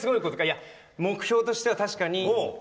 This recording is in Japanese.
いや、目標としては確かに。